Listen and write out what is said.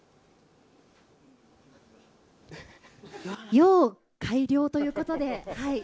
要改良ということで。